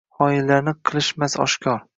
Xoinlarni qilishmas oshkor.